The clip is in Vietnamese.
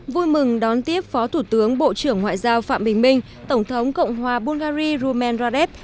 vui mừng đón tiếp phó thủ tướng bộ trưởng ngoại giao phạm bình minh tổng thống cộng hòa bungary rumen radev